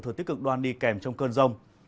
thừa tiết cực đoan đi kèm trong cơn rông